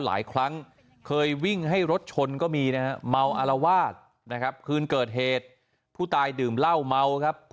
ตายแล้วก็ยืนถ่ายคลิปตามกระแสข่าวครับ